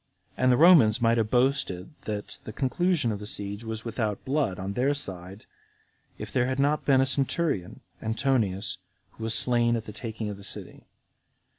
And the Romans might have boasted that the conclusion of that siege was without blood [on their side] if there had not been a centurion, Antonius, who was slain at the taking of the city.